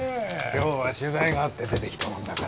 今日は取材があって出てきたもんだから。